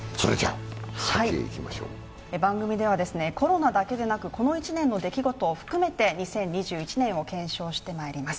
番組ではコロナだけでなく、この１年の出来事を含めて２０２１年を検証してまいります。